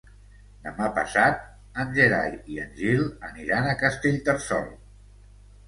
Demà passat en Gerai i en Gil aniran a Castellterçol.